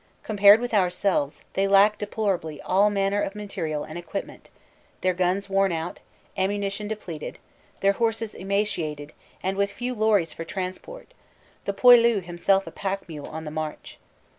Compared with ourselves, they lack deplorably all manner of material and equipment their guns worn out, ammunition depleted, their horses emaciated and with few lorries for transport, the "poilu" himself a pack mule on the march.